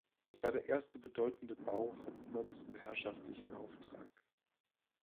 Es war der erste bedeutende Bau Hauptmanns im herrschaftlichen Auftrag.